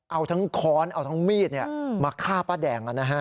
เอาทั้งค้อนเอาทั้งมีดมาฆ่าป้าแดง